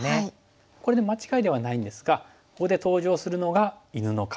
これで間違いではないんですがここで登場するのが犬の顔。